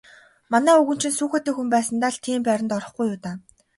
Манай өвгөн чинь сүүхээтэй хүн байсандаа л тийм байранд орохгүй юу даа.